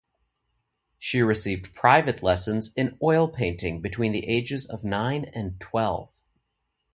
She received private lessons in oil painting between the ages of nine and twelve.